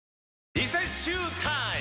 リセッシュータイム！